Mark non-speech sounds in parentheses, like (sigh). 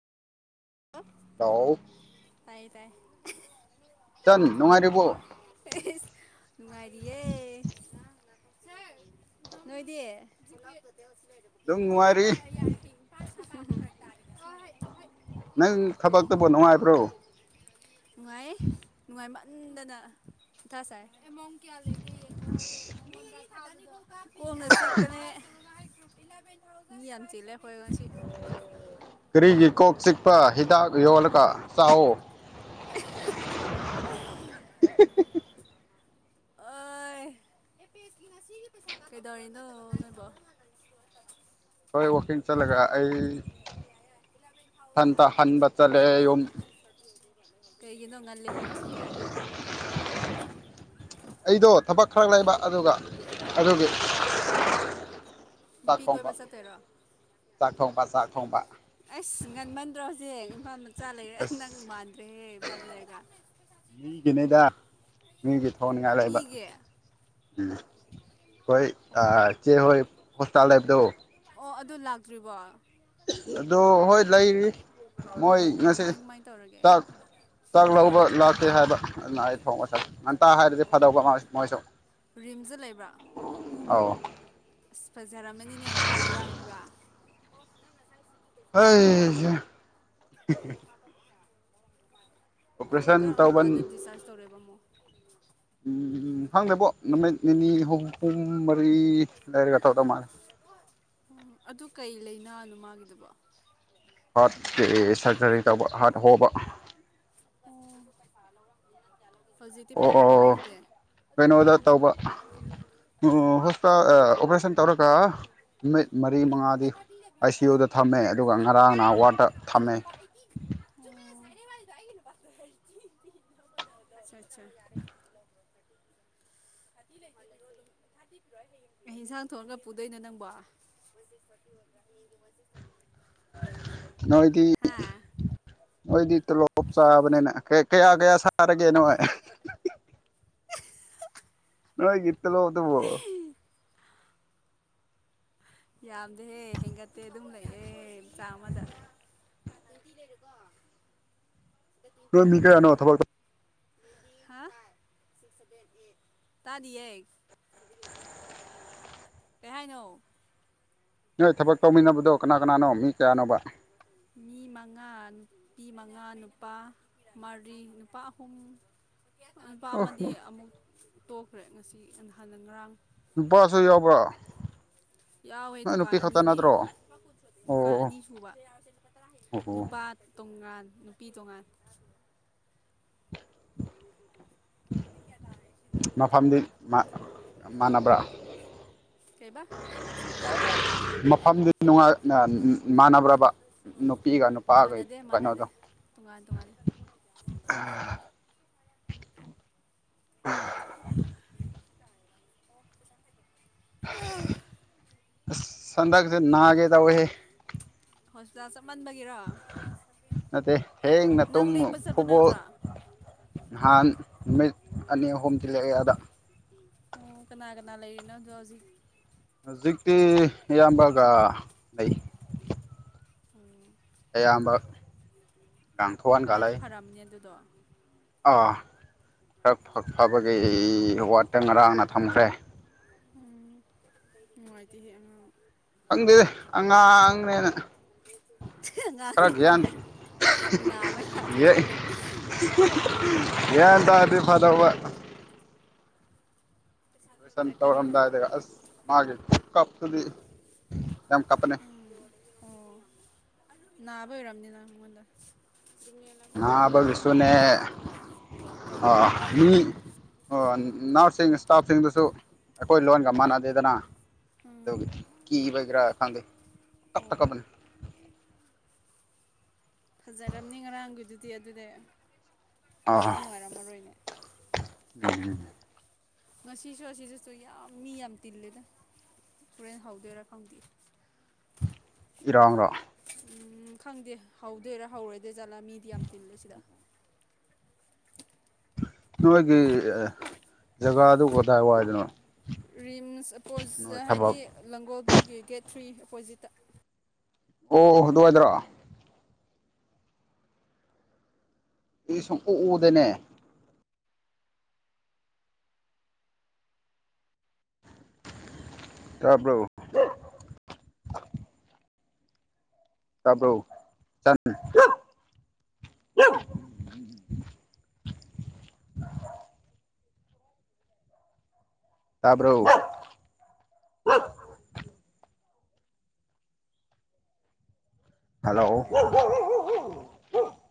(unintelligible) ꯇꯥꯎ ꯇꯥꯏꯌꯦ ꯇꯥꯏ ꯆꯟ ꯅꯨꯡꯉꯥꯏꯔꯤꯕꯣ ꯏꯁ ꯅꯨꯡꯉꯥꯏꯔꯤꯌꯦ ꯅꯣꯏꯗꯤ ꯅꯨꯡꯉꯥꯏꯔꯤ ꯌꯥꯔꯦ (unintelligible) ꯍꯩ ꯅꯪ ꯊꯕꯛꯇꯨꯕꯨ ꯅꯨꯡꯉꯥꯏꯕ꯭ꯔꯣ ꯅꯨꯡꯉꯥꯏ ꯅꯨꯡꯉꯥꯏꯃꯟꯗꯅ ꯃꯊꯥ ꯁꯥꯏ ꯑꯦꯃꯣꯡ ꯀꯌꯥ ꯂꯩꯒꯦ ꯌꯦꯡꯉꯣ ꯍꯥꯏꯌꯦ ꯃꯉꯣꯟꯗ ꯅꯪꯅꯣꯟꯗ ꯃꯤ ꯑꯅꯤ ꯈꯛꯇꯅꯤꯀꯣ ꯀꯣꯛꯅ ꯆꯤꯛꯄꯅꯦ ꯑꯦꯂꯦꯕꯦꯜ ꯊꯥꯎꯖꯟ ꯐꯥꯏꯐ ꯍꯟꯗꯔꯦꯠ ꯃꯤ ꯌꯥꯝ ꯆꯤꯜꯂꯦ ꯑꯩꯈꯣꯏ ꯉꯁꯤ ꯄꯦꯁꯤ ꯀꯔꯤꯒꯤ ꯀꯣꯛ ꯆꯤꯛꯄ ꯍꯤꯗꯥꯛ ꯌꯣꯜꯂꯒ ꯆꯥꯑꯣ (unintelligible) ꯑꯏ ꯀꯩꯗꯧꯔꯤꯅꯣ ꯅꯣꯏꯕꯣ ꯍꯣꯏ ꯋꯥꯛꯀꯤꯡ ꯆꯠꯂꯒ ꯑꯩ ꯑꯊꯟꯇ ꯍꯟꯕ ꯆꯠꯂꯦ ꯌꯨꯝ ꯀꯩꯒꯤꯅꯣ ꯉꯜꯂꯤꯍꯦ ꯉꯁꯤꯗꯤ ꯑꯩꯗꯣ ꯊꯕꯛ ꯈꯔ ꯂꯩꯕ ꯑꯗꯨꯒ ꯑꯗꯨꯒꯤ ꯀꯩ ꯊꯕꯛ ꯆꯥꯛ ꯅꯨꯄꯤ ꯊꯣꯡꯕ ꯀꯣꯏꯕ ꯆꯠꯇꯣꯏꯔꯣ ꯆꯥꯛ ꯊꯣꯡꯕ ꯆꯥꯛ ꯊꯣꯡꯕ ꯑꯩꯁ ꯉꯟꯃꯟꯗ꯭ꯔꯣ ꯍꯧꯖꯤꯛ ꯏꯝꯐꯥꯜ ꯃꯆꯥ ꯂꯩꯔꯦ ꯅꯪ ꯑꯁ ꯃꯥꯟꯗ꯭ꯔꯦꯍꯦ ꯏꯝꯐꯥꯜꯗ ꯂꯩꯔꯒ ꯃꯤꯒꯤꯅꯤꯗ ꯃꯤꯒꯤ ꯊꯣꯡꯅꯤꯡꯉꯥꯏ ꯂꯩꯕ ꯃꯤꯒꯤ ꯑꯩꯈꯣꯏ ꯑꯣ ꯆꯦ ꯍꯣꯏ ꯍꯣꯁꯄꯤꯇꯥꯜ ꯂꯩꯕꯗꯣ ꯑꯣ ꯑꯗꯨ ꯂꯥꯛꯇ꯭ꯔꯤꯕꯣ ꯑꯗꯣ ꯍꯣꯏ ꯂꯩꯔꯤ ꯃꯣꯏ ꯉꯁꯤ ꯀꯃꯥꯏ ꯀꯃꯥꯏ ꯇꯧꯔꯒꯦ ꯆꯥꯛ ꯆꯥꯛ ꯂꯧꯕ ꯂꯥꯛꯇꯦ ꯍꯥꯏꯕ ꯑꯗꯨꯅ ꯑꯩ ꯊꯣꯡꯉꯕ ꯉꯟꯇꯥ ꯍꯥꯏꯔꯗꯤ ꯐꯗꯧꯕ ꯃꯣꯏ ꯃꯣꯏꯁꯨ ꯔꯤꯝꯁꯗ ꯂꯩꯕ ꯑꯧ ꯑꯁ ꯐꯖꯔꯝꯃꯅꯤꯅꯦ ꯉꯔꯥꯡ ꯏꯔꯥꯡꯗꯨꯒ ꯑꯣ ꯅꯪ ꯉꯁꯥꯏ ꯁꯤꯒꯤ ꯍꯩ (unintelligible) ꯑꯗꯨ ꯑꯣꯄꯔꯦꯁꯟ ꯀꯔꯑꯝ ꯇꯧꯕ ꯀꯥꯟꯗ ꯗꯤꯁꯆꯥꯔꯖ ꯇꯧꯔꯦꯕ ꯑꯃꯨꯛ ꯎꯝ ꯈꯪꯗꯦꯕꯣ ꯅꯨꯃꯤꯠ ꯅꯤꯅꯤ ꯍꯨꯝ ꯍꯨꯝ ꯃꯔꯤ ꯂꯩꯔꯒ ꯇꯧꯗꯧ ꯃꯥꯜꯂꯦ ꯎꯝ ꯑꯗꯨ ꯀꯩ ꯂꯩꯅꯥꯅꯣ ꯃꯥꯒꯤꯗꯨꯕꯣ ꯍꯥꯔꯠ ꯀꯦ ꯁꯔꯖꯔꯤ ꯇꯧꯕ ꯍꯥꯔꯠ ꯍꯣꯕ ꯎꯝ ꯍꯧꯖꯤꯛꯇꯤ ꯑꯣ ꯑꯣ ꯐꯔꯝꯃꯅꯤ ꯑꯗꯨꯗꯤ ꯀꯩꯅꯣꯗ ꯇꯧꯕ ꯑ ꯍꯣꯁꯄꯤꯇꯥꯜ ꯑ ꯑꯣꯄꯔꯦꯁꯟ ꯇꯧꯔꯒ ꯅꯨꯃꯤꯠ ꯃꯔꯤ ꯃꯉꯥꯗꯤ ꯑꯥꯏ ꯁꯤ ꯌꯨꯗ ꯊꯝꯃꯦ ꯑꯗꯨꯒ ꯉꯔꯥꯡꯅ ꯋꯥꯔꯠꯗ ꯊꯝꯃꯦ ꯑꯣ ꯆꯨꯝꯃꯦ ꯉꯁꯥꯏꯗꯩ ꯋꯥꯔꯤꯗꯣ ꯑꯩꯒꯤ ꯅꯨꯄꯥꯥ (unintelligible) ꯑꯆꯥ ꯆꯥ (unintelligible) ꯊꯔꯇꯤ ꯂꯩꯕꯗꯣ ꯑꯗꯨꯝ ꯄꯤꯔꯛꯑꯣ ꯑꯗꯨꯝ (unintelligible) ꯀꯩ ꯏꯟꯁꯥꯡ ꯊꯣꯡꯑꯒ ꯄꯨꯗꯣꯏꯅꯣ ꯅꯪꯕꯣ ꯅꯣꯏꯗꯤ ꯍꯥ ꯅꯣꯏꯗꯤ ꯇꯣꯂꯣꯞ ꯆꯥꯕꯅꯤꯅ ꯀꯌꯥ ꯀꯌꯥ ꯁꯥꯔꯒꯦ ꯅꯣꯏ ꯅꯣꯏꯒꯤ ꯇꯣꯂꯣꯞ ꯇꯨꯕꯨ ꯌꯥꯝꯗꯦꯍꯦ ꯍꯦꯟꯒꯠꯇꯦ ꯑꯗꯨꯝ ꯂꯩꯔꯦ ꯆꯥꯡꯃꯗ ꯅꫭꯏ ꯃꯤ ꯀꯌꯥꯅꯣ ꯊꯕꯛ ꯍꯥ ꯁꯤꯁ ꯁꯚꯦꯟ ꯑꯦꯠ ꯇꯥꯗꯤꯌꯦ ꯀꯩꯍꯥꯏꯅꯣ ꯅꯣꯏ ꯊꯕꯛ ꯇꯧꯃꯤꯟꯅꯕꯗꯣ ꯀꯅꯥ ꯀꯅꯥꯅꯣ ꯃꯤ ꯀꯌꯥꯅꯣꯕ ꯃꯤ ꯃꯉꯥ ꯅꯨꯄꯤ ꯃꯉꯥ ꯅꯨꯄꯥ ꯃꯥꯔꯤ ꯅꯨꯄꯥ ꯑꯍꯨꯝ ꯑꯣ ꯅꯨꯄꯥꯃꯗꯤ ꯑꯃꯨꯛ ꯇꯣꯛꯈ꯭ꯔꯦ ꯉꯁꯤ ꯅꯍꯥꯟꯅ ꯉꯔꯥꯡ ꯅꯨꯄꯥꯁꯨ ꯌꯥꯎꯕ꯭ꯔꯣ ꯌꯥꯎꯋꯦ ꯅꯣꯏ ꯅꯨꯄꯤ ꯗꯨꯀꯥꯟ ꯈꯛꯇ ꯑꯅꯤꯅꯦ ꯅꯠꯇ꯭ꯔꯣ ꯑꯣ ꯗꯨꯀꯥꯟ ꯑꯣ ꯑꯅꯤ ꯁꯨꯕ ꯑꯣ ꯑꯣ ꯅꯨꯄꯥ ꯇꯣꯉꯥꯟ ꯅꯨꯄꯤ ꯇꯣꯉꯥꯟ (unintelligible) ꯃꯐꯝꯗꯤ ꯃꯥꯟ ꯃꯥꯟꯅꯕ꯭ꯔꯥ ꯀꯩꯕꯥ ꯃꯐꯝꯗꯤꯅꯨꯡꯉꯥꯏꯅ (unintelligible) ꯃꯥꯟꯅꯗꯦ ꯃꯥꯟꯅꯗꯦ ꯀꯩꯅꯣꯗꯣ ꯇꯨꯡꯉꯥꯟ ꯇꯣꯉꯥꯟꯂꯦ ꯑ (unintelligible) (unintelligible) (unintelligible) ___ ꯑꯁ ꯍꯟꯗꯛꯁꯦ ꯅꯥꯒꯦ ꯇꯧꯋꯦꯍꯦ ꯍꯣꯁꯄꯤꯇꯥꯜ ꯆꯞꯃꯟꯕꯒꯤꯔꯣ ꯅꯠꯇꯦ ꯊꯦꯡꯅ ꯇꯨꯝꯃꯨ ꯐꯨꯠꯕꯣꯜ ꯅꯠꯇ꯭ꯔꯣ ꯅꯍꯥꯟ ꯅꯨꯃꯤꯠ ꯑꯅꯤ‌ ꯑꯍꯨꯝ ꯊꯤꯜꯂꯛꯑꯦ ꯑꯗ ꯑꯣ ꯀꯅꯥ ꯀꯅꯥ ꯂꯩꯔꯤꯅꯣ ꯑꯗꯣ ꯍꯧꯖꯤꯛ ꯍꯧꯖꯤꯛꯇꯤ ꯑꯌꯥꯝꯕꯒ ꯂꯩ ꯎꯝ ꯑꯌꯥꯝꯕ ꯂꯥꯡꯊꯣꯛꯍꯟꯒ ꯈꯔꯗꯤ ꯂꯩ ꯐꯔꯝꯅꯤ ꯑꯗꯨꯗꯣ ꯑꯥ ꯈꯔꯥ ꯐ ꯐꯕꯒꯤ ꯋꯥꯠꯇ ꯉꯔꯥꯡꯅ ꯊꯝꯈ꯭ꯔꯦ ꯎꯝ ꯅꯨꯡꯉꯥꯏꯇꯦꯍꯦ ꯑꯉꯥꯡ ꯈꯪꯗꯦ ꯑꯉꯥꯡꯅꯦꯅ ꯈꯔ ꯑꯉꯥꯡꯅꯤꯅ ꯒ꯭ꯌꯥꯟ ꯂꯩ ꯅꯥꯕ ꯌꯥꯗꯦ ꯒ꯭ꯌꯥ ꯈꯥꯟ (unintelligible) ꯒ꯭ꯌꯥꯟ ꯇꯥꯔꯗꯤ ꯐꯗꯧꯕ ꯑꫭꯄꯔ‌ꯦꯁꯟ ꯐꯔꯛꯀꯅꯤꯗ ꯇꯧꯔꯝꯗꯥꯏꯗꯒ ꯑꯁ ꯃꯥꯒꯤ ꯈꯨꯀꯞꯇꯨꯗꯤ ꯌꯥꯝ ꯀꯞꯄꯥꯅꯦ ꯎꯝ ꯑꯣ ꯅꯥꯕꯩ ꯑꯣꯏꯔꯝꯅꯤꯅ ꯃꯉꯣꯟꯗ ꯑꯩꯈꯣꯏ ꯑꯉꯥꯡ ꯑꯍꯥꯟ ꯅꯥꯕꯒꯤꯁꯨꯅꯦ ꯐꯥꯎ ꯑꯥ ꯇꯧꯔꯤꯗꯨꯗꯤ ꯃꯤ ꯑꯣ ꯅꯔ꯭ꯁꯁꯤꯡ ꯏꯁꯇꯥꯐꯁꯤꯡꯗꯨꯁꯨ ꯑꯩꯈꯣꯏ ꯂꯣꯟꯒ ꯃꯥꯟꯅꯗꯦꯗꯅ ꯎꯝ ꯑꯗꯨꯒꯤ ꯀꯤꯕꯒꯤꯔ ꯈꯪꯗꯦ ꯑꯣ ꯄꯪꯀꯞꯇ ꯀꯞꯄꯥꯅꯦ ꯐꯖꯥꯔꯝꯅꯤ ꯉꯔꯥꯡꯒꯤꯗꯨꯗꯤ ꯑꯗꯨꯗꯤ ꯑꯥ ꯂꯩꯕ ꯅꯨꯡꯉꯥꯏꯔꯝꯃꯔꯣꯏꯅꯦ ꯎꯝ ꯉꯁꯤꯁꯨ ꯑꯁꯤꯁꯤꯁꯨ ꯌꯥꯝ ꯃꯤ ꯌꯥꯝ ꯇꯤꯜꯂꯦꯗ ꯍꯣꯔꯦꯟ ꯍꯧꯗꯣꯏꯔꯥ ꯈꯪꯗꯦ ꯏꯔꯥꯡꯂꯣ ꯎꯝ ꯈꯪꯗꯦ ꯍꯧꯗꯣꯏꯔꯥ ꯍꯧꯔꯣꯏꯗꯣꯏ ꯖꯥꯠꯂ ꯃꯤꯗꯤ ꯌꯥꯝ ꯇꯤꯜꯂꯦ ꯁꯤꯗ ꯅꯣꯏꯒꯤ ꯖꯒꯥꯗꯨ ꯀꯗꯥꯏ ꯋꯥꯏꯗꯅꯣ ꯔꯤꯝꯁ ꯅꯣꯏ (unintelligible) ꯍꯥꯏꯗꯤ ꯊꯕꯛ ꯂꯥꯡꯒꯣꯜꯕ꯭ꯋꯨꯒꯤ ꯒꯦꯠ ꯊ꯭ꯔꯤ ꯑꯣꯄꯣꯖꯤꯠꯇ ꯑꯣ ꯑꯗꯨꯋꯥꯏꯗꯥꯔꯣ ꯑꯩꯁ ꯁꯨꯝꯎꯨ ꯎꯗ‌ꯦꯅꯦ ꯇꯥꯕ꯭ꯔꯣ ꯇꯥꯕ꯭ꯔꯣ ꯆꯟ (unintelligible) ꯇꯥꯕ꯭ꯔꯣ ꯍꯜꯂꯣ